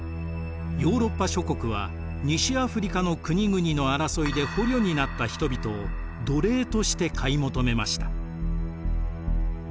ヨーロッパ諸国は西アフリカの国々の争いで捕虜になった人々を奴隷として買い求めました。